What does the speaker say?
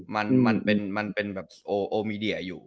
มันเป็นแบบโอมีเดียอยู่